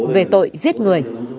về tội giết người